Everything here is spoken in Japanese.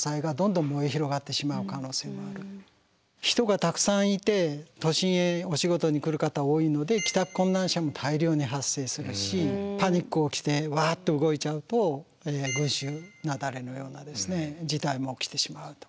人がたくさんいて都心へお仕事に来る方多いので帰宅困難者も大量に発生するしパニックが起きてワッと動いちゃうと群集雪崩のような事態も起きてしまうと。